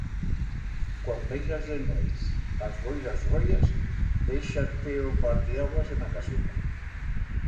Cuan veigas de nueiz as boiras royas, deixa-te o batiaguas en a caseta.